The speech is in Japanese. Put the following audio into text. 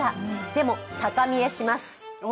でも高見えします。